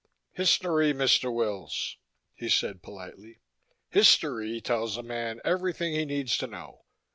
"History, Mr. Wills," he said politely. "History tells a man everything he needs to know.